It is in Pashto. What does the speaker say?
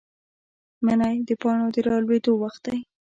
منی د پاڼو د رالوېدو وخت دی.